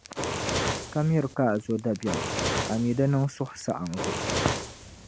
ka miri ka a zo dabiεm, ami di niŋ suhusaɣiŋgu.